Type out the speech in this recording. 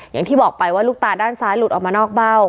อย่างที่บอกไปว่าลูกตาด้านซ้ายหลุดออกมานอกเบ้า